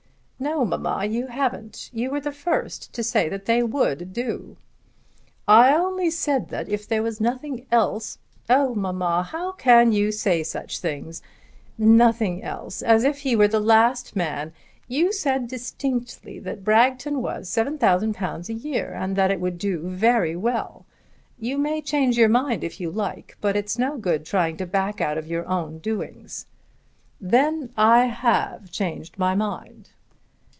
"No, mamma; you haven't. You were the first to say they would do." "I only said that if there were nothing else " "Oh, mamma, how can you say such things! Nothing else, as if he were the last man! You said distinctly that Bragton was £7,000 a year, and that it would do very well. You may change your mind if you like; but it's no good trying to back out of your own doings." "Then I have changed my mind."